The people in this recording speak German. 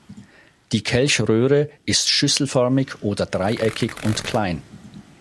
Die Kelchröhre ist schüsselförmig oder dreieckig und klein.